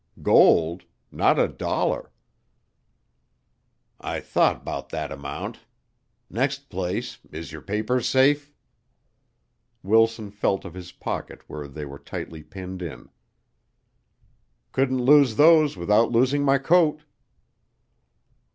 "Gold? Not a dollar." "I thought 'bout thet amount. Next place, is yer papers safe?" Wilson felt of his pocket where they were tightly pinned in. "Couldn't lose those without losing my coat."